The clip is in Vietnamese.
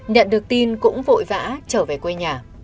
nhận được tin cũng vội vã trở về quê nhà